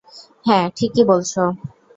হ্যাঁ, ঠিকই বলছো।